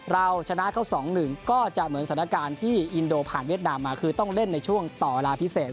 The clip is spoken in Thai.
ผ่านเวียดดามมาคือต้องเล่นในช่วงต่อเวลาพิเศษ